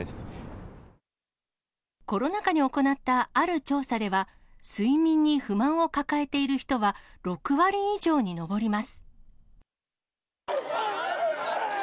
コロナ禍に行ったある調査では、睡眠に不満を抱えている人は６割以上に上ります。